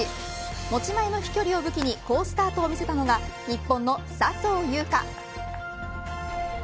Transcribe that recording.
持ち前の飛距離を武器に好スタートを見せたのが日本の笹生優花。